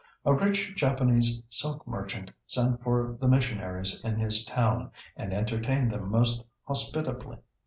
"A rich Japanese silk merchant sent for the missionaries in his town, and entertained them most hospitably.